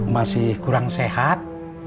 masih kurang sehat